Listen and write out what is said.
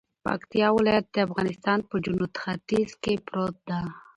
پکتيا ولايت د افغانستان په جنوت ختیځ کی پروت ده